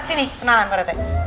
sini kenalan pak rt